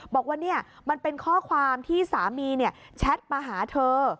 บอกว่านี่มันเป็นข้อความที่สามีแชทมาหาเธอ